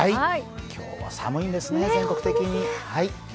今日は寒いんですね、全国的に。